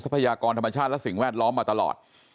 พยากรธรรมชาติและสิ่งแวดล้อมมาตลอด